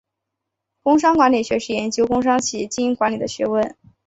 工商管理学是研究工商企业经营管理的学问。